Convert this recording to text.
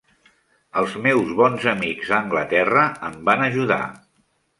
Els meus bons amics a Anglaterra em van ajudar.